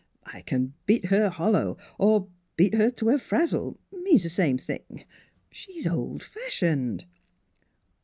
I can beat her hollow ... or beat her to a frazzle means the same thing. ... She's old fashioned."